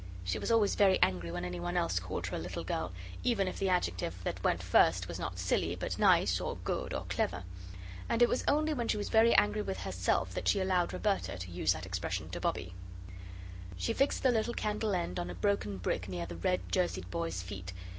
She was always very angry when anyone else called her a little girl, even if the adjective that went first was not "silly" but "nice" or "good" or "clever." And it was only when she was very angry with herself that she allowed Roberta to use that expression to Bobbie. She fixed the little candle end on a broken brick near the red jerseyed boy's feet.